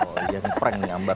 oh iya di prank nih ambar